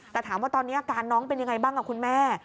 แต่ถามว่าตอนนี้อาการน้องเป็นยังไงบ้างคุณแม่